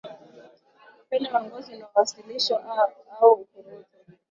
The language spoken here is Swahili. Upele wa ngozi unaowasha au ukurutu